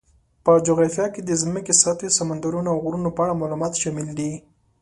په جغرافیه کې د ځمکې سطحې، سمندرونو، او غرونو په اړه معلومات شامل دي.